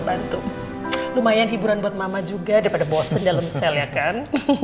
bantu lumayan hiburan buat mama juga daripada bosen dalam sel ya kan